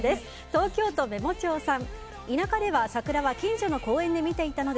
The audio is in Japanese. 東京都の方。